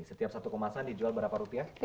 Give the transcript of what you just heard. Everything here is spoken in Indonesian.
setiap satu kemasan dijual berapa rupiah